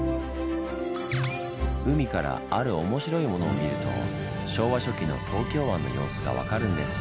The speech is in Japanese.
海からある面白いものを見ると昭和初期の東京湾の様子が分かるんです。